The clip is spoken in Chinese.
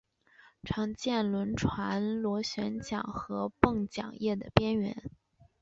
常见于轮船螺旋桨和泵桨叶的边缘。